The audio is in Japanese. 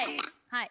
はい！